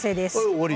終わり？